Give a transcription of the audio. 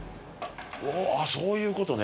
あっそういうことね。